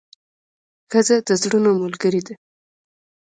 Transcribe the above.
ښځه د زړونو ملګرې ده.